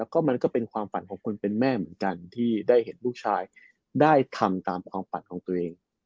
ก็มันก็เป็นความฝันของคนเป็นแม่เหมือนกันที่ได้เห็นลูกชายได้ทำตามความฝันของตัวเอง